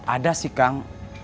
ada sih kang